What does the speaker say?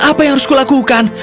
apa yang harus kulakukan